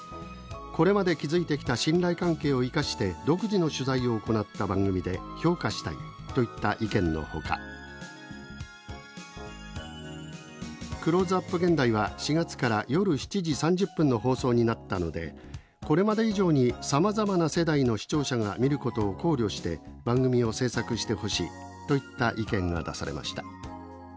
これまで築いてきた信頼関係を生かして独自の取材を行った番組で評価したい」といった意見のほか「クローズアップ現代」は４月から夜７時３０分の放送になったのでこれまで以上に、さまざまな世代の視聴者が見ることを考慮して番組を制作してほしい」といった意見が出されました。